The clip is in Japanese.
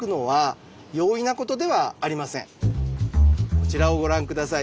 こちらをご覧下さい。